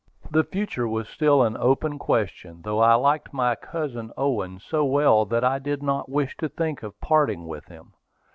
The future was still an open question, though I liked my cousin Owen so well that I did not wish to think of parting with him.